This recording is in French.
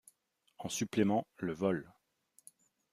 En supplément, le Vol.